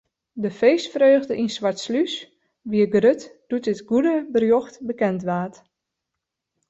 De feestfreugde yn Swartslús wie grut doe't it goede berjocht bekend waard.